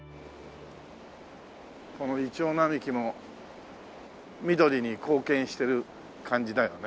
このイチョウ並木も緑に貢献してる感じだよね。